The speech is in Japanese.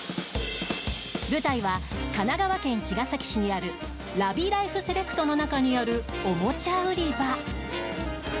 舞台は神奈川県茅ヶ崎市にあるラビライフセレクトの中にあるおもちゃ売り場。